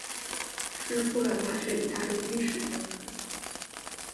是布朗大学意大利历史教授。